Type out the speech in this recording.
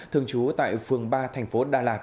thường trú tại phường ba thành phố đà lạt